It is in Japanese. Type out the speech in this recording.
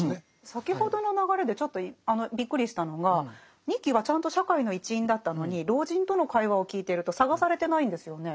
先ほどの流れでちょっとびっくりしたのが仁木はちゃんと社会の一員だったのに老人との会話を聞いていると探されてないんですよね。